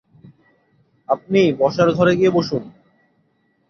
আপনি বসার ঘরে গিয়ে বসুন।